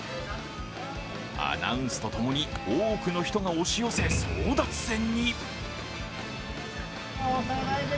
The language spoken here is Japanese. アナウンスと共に多くの人が押し寄せ争奪戦に。